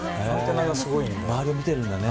周りを見てるんですね